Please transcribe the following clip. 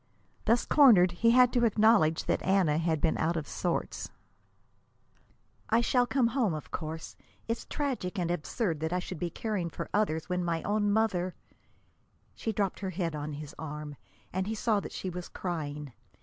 Thus cornered, he had to acknowledge that Anna had been out of sorts. "I shall come home, of course. It's tragic and absurd that I should be caring for other people, when my own mother " She dropped her head on his arm, and he saw that she was crying.